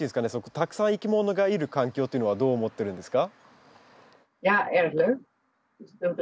たくさんいきものがいる環境というのはどう思ってるんですか？